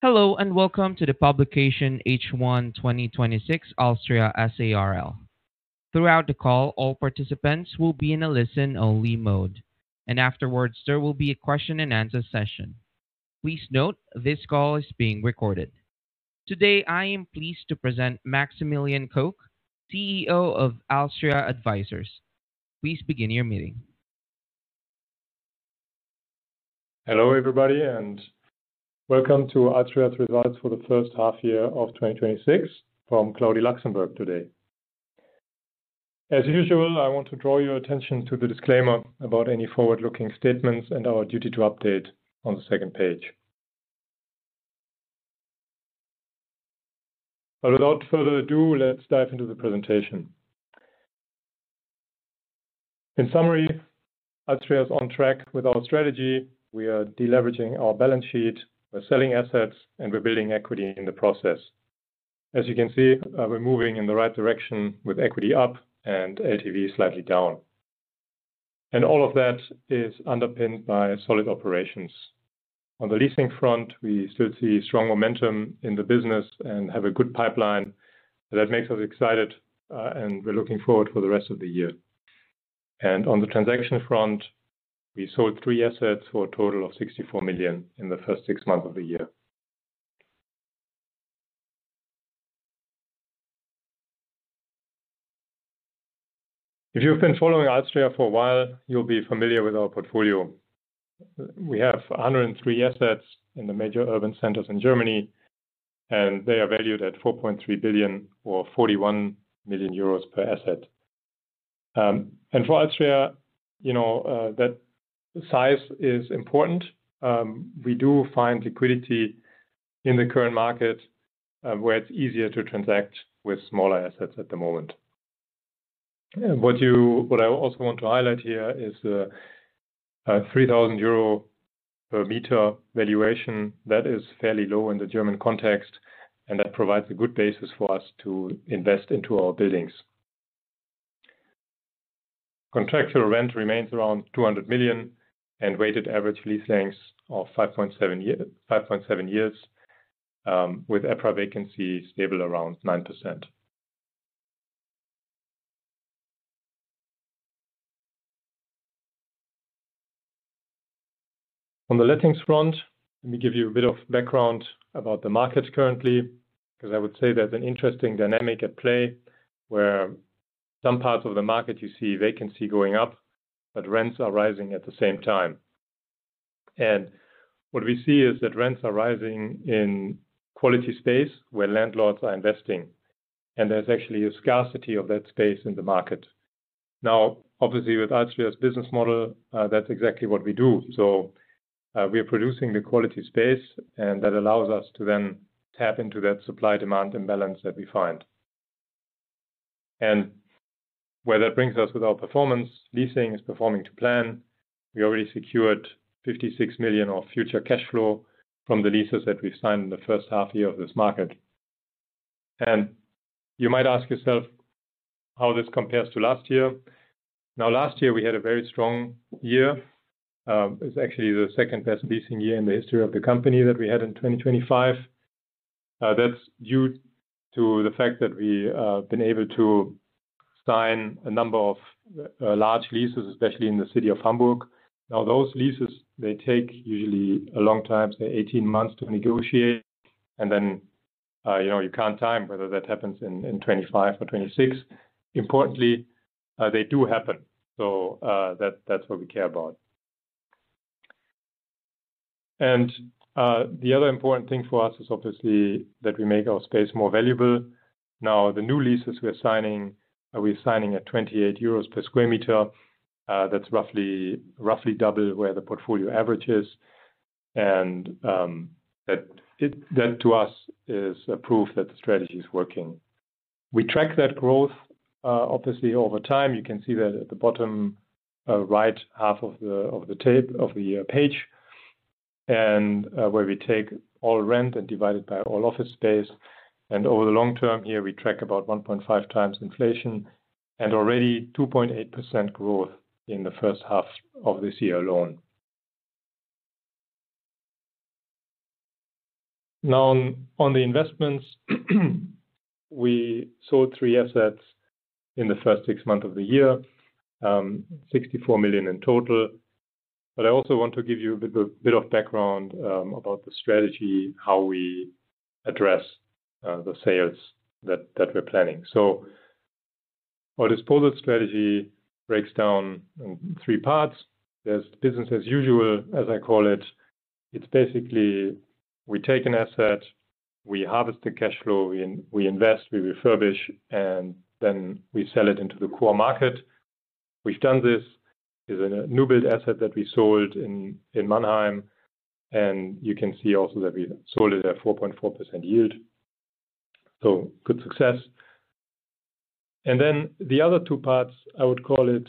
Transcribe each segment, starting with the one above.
Hello, welcome to the publication H1 2026 alstria S.à r.l. Throughout the call, all participants will be in a listen-only mode. Afterwards, there will be a question and answer session. Please note this call is being recorded. Today, I am pleased to present Maximilian Koch, CEO of alstria advisors. Please begin your meeting. Hello everybody, welcome to alstria's results for the first half year of 2026 from cloudy Luxembourg today. As usual, I want to draw your attention to the disclaimer about any forward-looking statements and our duty to update on the second page. Without further ado, let's dive into the presentation. In summary, alstria's on track with our strategy. We are de-leveraging our balance sheet. We're selling assets, and we're building equity in the process. As you can see, we're moving in the right direction with equity up and LTV slightly down. All of that is underpinned by solid operations. On the leasing front, we still see strong momentum in the business and have a good pipeline that makes us excited, and we're looking forward for the rest of the year. On the transaction front, we sold three assets for a total of 64 million in the first six months of the year. If you've been following alstria for a while, you'll be familiar with our portfolio. We have 103 assets in the major urban centers in Germany. They are valued at 4.3 billion or 41 million euros per asset. For alstria, that size is important. We do find liquidity in the current market, where it's easier to transact with smaller assets at the moment. What I also want to highlight here is a 3,000 euro per meter valuation that is fairly low in the German context. That provides a good basis for us to invest into our buildings. Contractual rent remains around 200 million and weighted average lease lengths of 5.7 years, with EPRA vacancy stable around 9%. On the lettings front, let me give you a bit of background about the market currently, because I would say there's an interesting dynamic at play where some parts of the market you see vacancy going up. Rents are rising at the same time. What we see is that rents are rising in quality space where landlords are investing, and there's actually a scarcity of that space in the market. Obviously with alstria's business model, that's exactly what we do. We are producing the quality space, and that allows us to then tap into that supply-demand imbalance that we find. Where that brings us with our performance, leasing is performing to plan. We already secured 56 million of future cash flow from the leases that we've signed in the first half year of this market. You might ask yourself how this compares to last year. Last year we had a very strong year. It's actually the second-best leasing year in the history of the company that we had in 2025. That's due to the fact that we've been able to sign a number of large leases, especially in the city of Hamburg. Those leases, they take usually a long time, say 18 months to negotiate. Then you can't time whether that happens in 2025 or 2026. Importantly, they do happen. That's what we care about. The other important thing for us is obviously that we make our space more valuable. The new leases we're signing, we're signing at 28 euros per square meter. That's roughly double where the portfolio average is. That to us is a proof that the strategy is working. We track that growth, obviously, over time. You can see that at the bottom right half of the page, and where we take all rent and divide it by all office space. Over the long term here, we track about 1.5 times inflation and already 2.8% growth in the first half of this year alone. On the investments, we sold three assets in the first six months of the year, 64 million in total. I also want to give you a bit of background about the strategy, how we address the sales that we're planning. Our disposal strategy breaks down in three parts. There's business as usual, as I call it. It's basically we take an asset, we harvest the cash flow, we invest, we refurbish, and then we sell it into the core market. We've done this. There's a new build asset that we sold in Mannheim. You can see also that we sold it at 4.4% yield. Good success. The other two parts, I would call it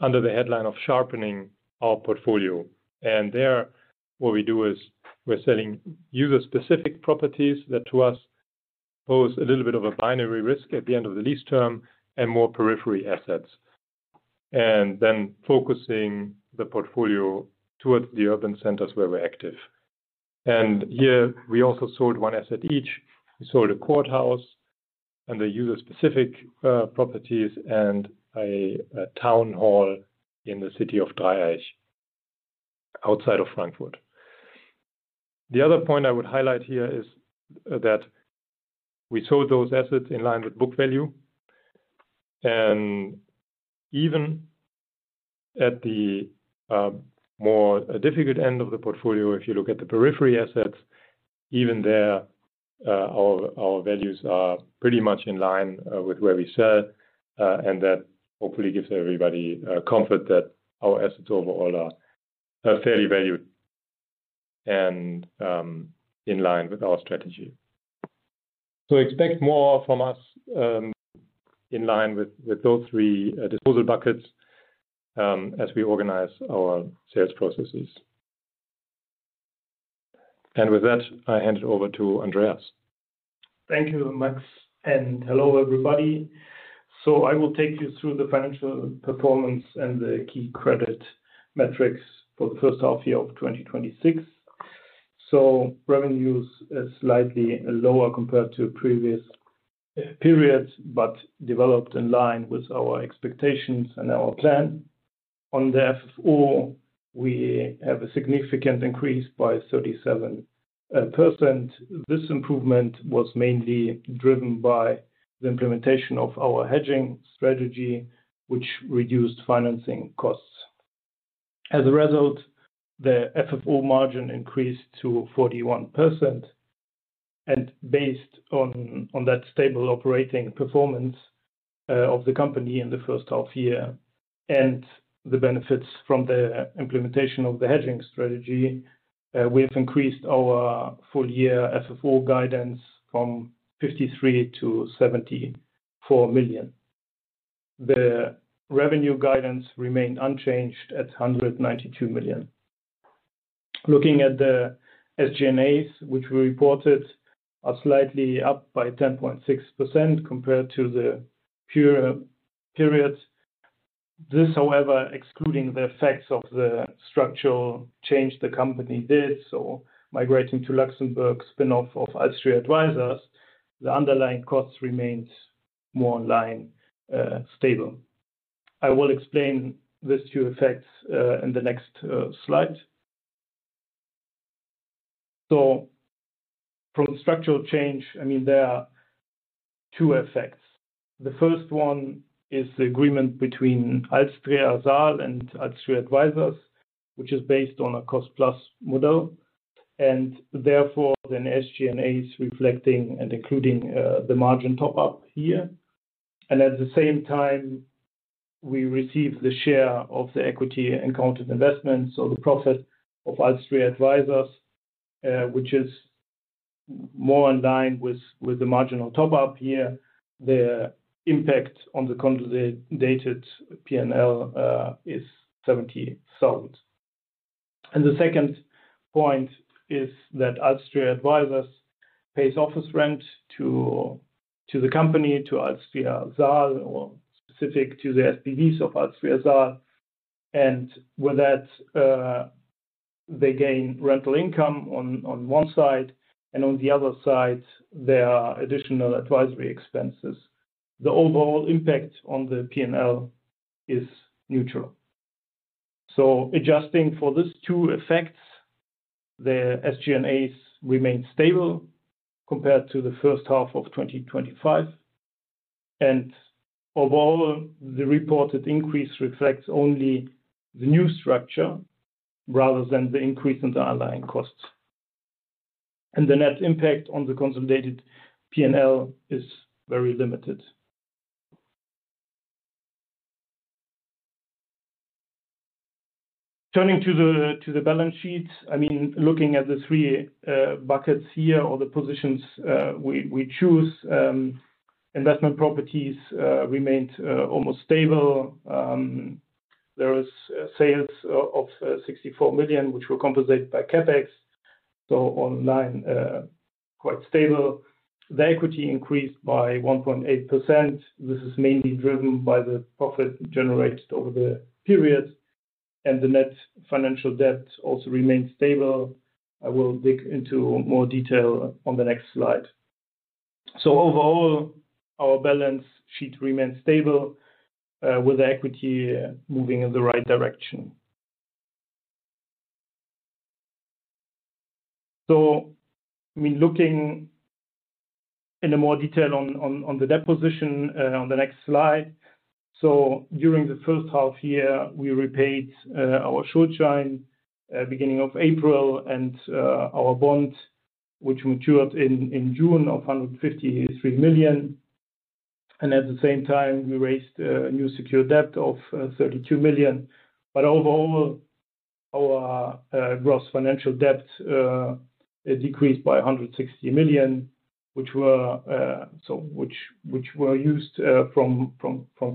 under the headline of sharpening our portfolio. There what we do is we're selling user-specific properties that to us pose a little bit of a binary risk at the end of the lease term and more periphery assets. Focusing the portfolio towards the urban centers where we're active. Here we also sold one asset each. We sold a courthouse and the user-specific properties and a town hall in the city of Dreieich, outside of Frankfurt. The other point I would highlight here is that we sold those assets in line with book value. Even at the more difficult end of the portfolio, if you look at the periphery assets, even there, our values are pretty much in line with where we sell. That hopefully gives everybody comfort that our assets overall are fairly valued and in line with our strategy. Expect more from us in line with those three disposal buckets as we organize our sales processes. With that, I hand it over to Andreas. Thank you, Max, and hello, everybody. I will take you through the financial performance and the key credit metrics for the first half year of 2026. Revenues are slightly lower compared to previous periods but developed in line with our expectations and our plan. On the FFO, we have a significant increase by 37%. This improvement was mainly driven by the implementation of our hedging strategy, which reduced financing costs. As a result, the FFO margin increased to 41%. Based on that stable operating performance of the company in the first half year and the benefits from the implementation of the hedging strategy, we have increased our full year FFO guidance from 53 million to 74 million. The revenue guidance remained unchanged at 192 million. Looking at the SG&A, which we reported are slightly up by 10.6% compared to the prior period. This, however, excluding the effects of the structural change the company did. Migrating to Luxembourg, spin-off of alstria advisors, the underlying cost remains more in line, stable. I will explain these two effects in the next slide. From structural change, there are two effects. The first one is the agreement between alstria S.à r.l. and alstria advisors, which is based on a cost-plus model, and therefore, SG&A reflecting and including the margin top-up here. At the same time, we received the share of the equity and counted investment. The profit of alstria advisors, which is more in line with the marginal top-up here. The impact on the consolidated P&L is 70,000. The second point is that alstria advisors pays office rent to the company, to alstria S.à r.l., or specific to the SPVs of alstria S.à r.l. With that, they gain rental income on one side, and on the other side, there are additional advisory expenses. The overall impact on the P&L is neutral. Adjusting for these two effects, the SG&A remain stable compared to the first half of 2025. Overall, the reported increase reflects only the new structure rather than the increase in the underlying costs. The net impact on the consolidated P&L is very limited. Turning to the balance sheet. Looking at the three buckets here or the positions we choose. Investment properties remained almost stable. There was sales of 64 million, which were compensated by CapEx. Online, quite stable. The equity increased by 1.8%. This is mainly driven by the profit generated over the period, and the net financial debt also remains stable. I will dig into more detail on the next slide. Overall, our balance sheet remains stable, with equity moving in the right direction. Looking in more detail on the debt position on the next slide. During the first half year, we repaid our short time beginning of April and our bond, which matured in June of 153 million. At the same time, we raised new secure debt of 32 million. Overall, our gross financial debt decreased by 160 million, which were used from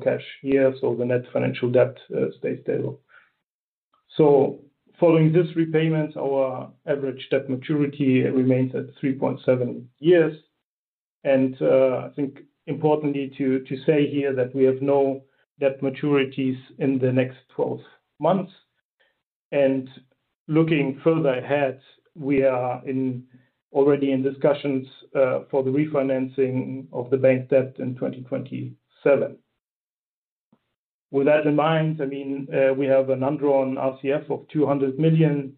cash here. The net financial debt stayed stable. Following this repayment, our average debt maturity remains at 3.7 years. I think importantly to say here that we have no debt maturities in the next 12 months. Looking further ahead, we are already in discussions for the refinancing of the bank debt in 2027. With that in mind, we have an undrawn RCF of 200 million.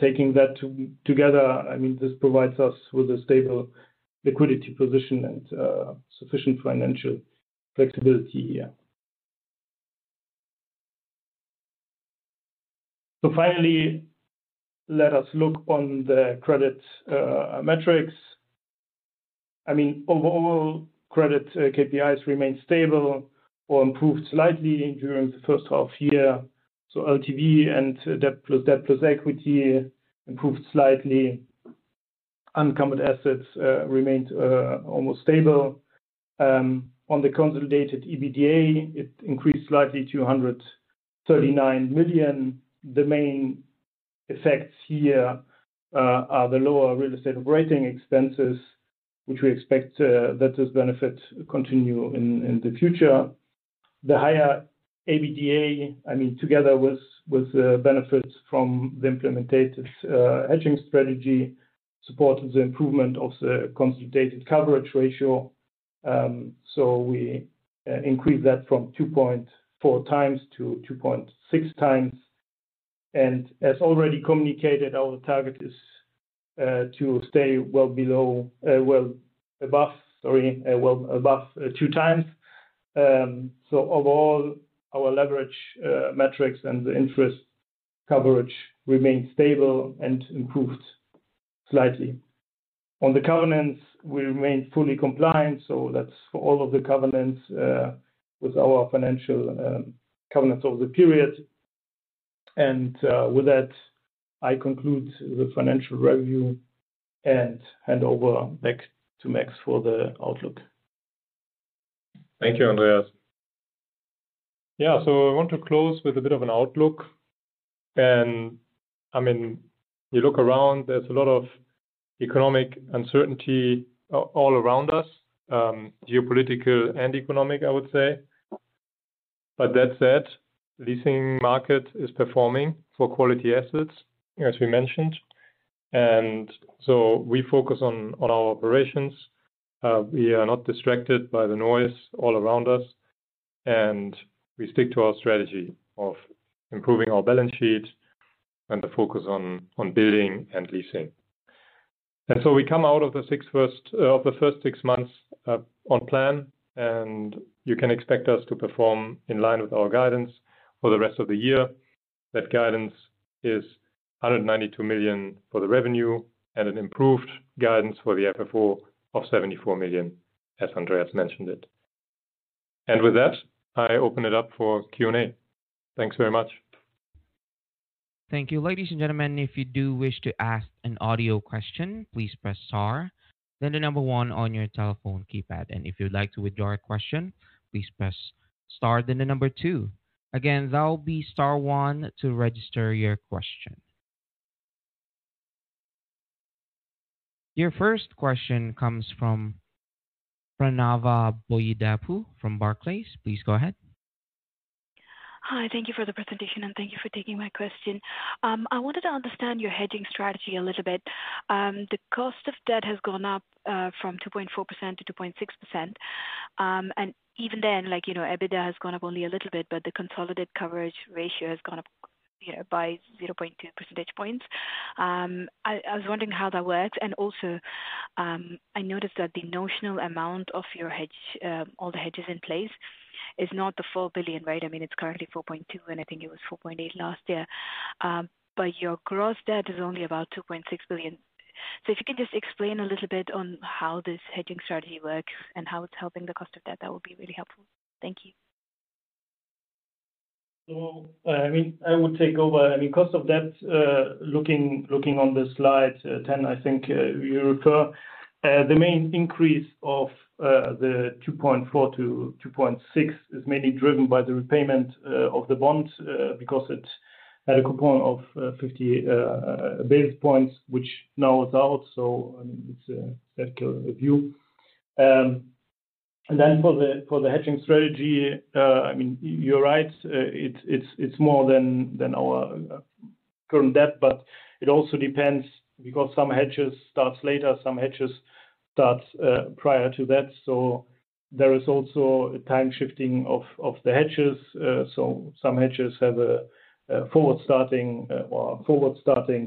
Taking that together, this provides us with a stable liquidity position and sufficient financial flexibility here. Finally, let us look on the credit metrics. Overall, credit KPIs remain stable or improved slightly during the first half year. LTV and debt plus equity improved slightly. Uncommitted assets remained almost stable. On the consolidated EBITDA, it increased slightly to 139 million. The main effects here are the lower real estate operating expenses, which we expect that this benefit continue in the future. The higher EBITDA, together with benefits from the implementative hedging strategy, supported the improvement of the consolidated coverage ratio. We increased that from 2.4 times to 2.6 times. As already communicated, our target is to stay well above two times. Overall, our leverage metrics and the interest coverage remained stable and improved slightly. On the covenants, we remain fully compliant. That's for all of the covenants with our financial covenants over the period. With that, I conclude the financial review and hand over back to Max for the outlook. Thank you, Andreas. I want to close with a bit of an outlook. You look around, there's a lot of economic uncertainty all around us, geopolitical and economic, I would say. That said, leasing market is performing for quality assets, as we mentioned. We focus on our operations. We are not distracted by the noise all around us, and we stick to our strategy of improving our balance sheet and the focus on building and leasing. We come out of the first six months on plan, and you can expect us to perform in line with our guidance for the rest of the year. That guidance is 192 million for the revenue and an improved guidance for the FFO of 74 million, as Andreas mentioned it. With that, I open it up for Q&A. Thanks very much. Thank you. Ladies and gentlemen, if you do wish to ask an audio question, please press star then the number one on your telephone keypad. If you'd like to withdraw a question, please press star then the number two. Again, that'll be star one to register your question. Your first question comes from Pranava Boyidapu from Barclays. Please go ahead. Hi. Thank you for the presentation, and thank you for taking my question. I wanted to understand your hedging strategy a little bit. The cost of debt has gone up from 2.4% to 2.6%. Even then, EBITDA has gone up only a little bit, but the consolidated coverage ratio has gone up by 0.2 percentage points. I was wondering how that works. Also, I noticed that the notional amount of all the hedges in place is not the 4 billion, right? It's currently 4.2 billion, and I think it was 4.8 billion last year. Your gross debt is only about 2.6 billion. If you could just explain a little bit on how this hedging strategy works and how it's helping the cost of debt, that would be really helpful. Thank you. I will take over. Cost of debt, looking on the slide 10, I think you refer. The main increase of the 2.4%-2.6% is mainly driven by the repayment of the bond because it had a coupon of 50 basis points, which now is out. It's a circular review. For the hedging strategy, you're right, it's more than our current debt, it also depends because some hedges starts later, some hedges starts prior to that. There is also a time shifting of the hedges. Some hedges have a forward starting,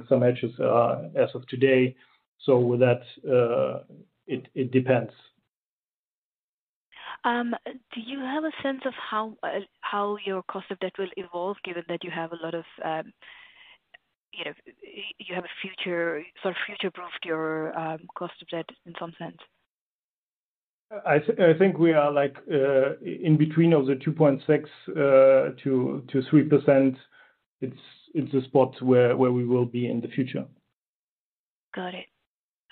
some hedges are as of today. With that, it depends. Do you have a sense of how your cost of debt will evolve given that you have future-proofed your cost of debt in some sense? I think we are in between of the 2.6% to 3%. It's a spot where we will be in the future. Got it.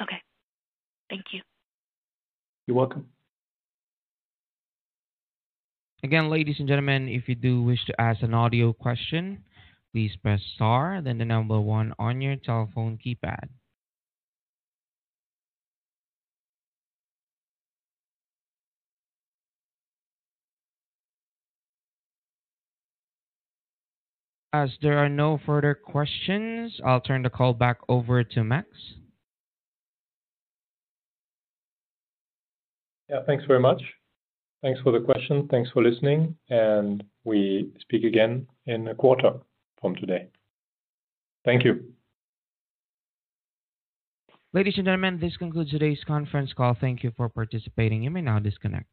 Okay. Thank you. You're welcome. Again, ladies and gentlemen, if you do wish to ask an audio question, please press star then the number 1 on your telephone keypad. As there are no further questions, I'll turn the call back over to Max. Yeah. Thanks very much. Thanks for the question. Thanks for listening. We speak again in a quarter from today. Thank you. Ladies and gentlemen, this concludes today's conference call. Thank you for participating. You may now disconnect.